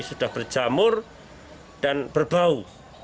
sudah berjamur dan berbau